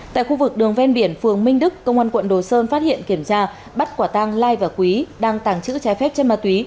tại khu vực đường ven biển phường minh đức công an quận đồ sơn phát hiện kiểm tra bắt quả tăng lai và quý đang tảng chữ trái phép trên ma túy